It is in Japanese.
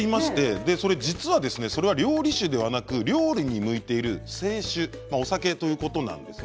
実は、それは料理酒ではなく料理に向いている清酒お酒ということなんですね。